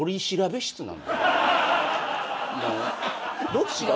どっちが？